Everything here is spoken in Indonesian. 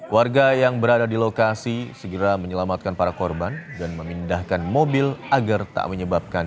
warga yang berada di lokasi segera menyelamatkan para korban dan memindahkan mobil agar tak menyebabkan